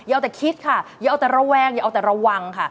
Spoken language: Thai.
แต่คิดค่ะอย่าเอาแต่ระแวงอย่าเอาแต่ระวังค่ะ